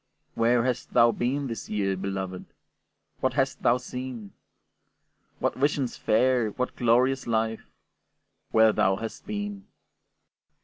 Where hast thou been this year, beloved? What hast thou seen? What visions fair, what glorious life, Where thou hast been?